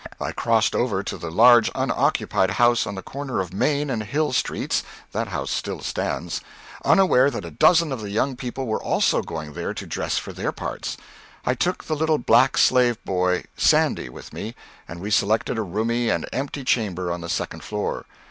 I crossed over to the large unoccupied house on the corner of Main and Hill streets, unaware that a dozen of the young people were also going there to dress for their parts. I took the little black slave boy, Sandy, with me, and we selected a roomy and empty chamber on the second floor.